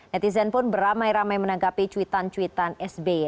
netizen pun beramai ramai menanggapi cuitan cuitan sby